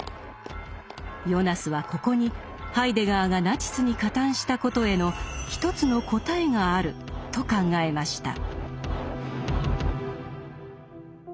ヨナスはここにハイデガーがナチスに加担したことへの一つの答えがあると考えました。